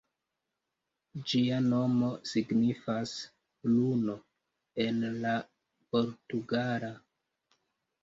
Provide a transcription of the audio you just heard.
Ĝia nomo signifas "luno" en la portugala.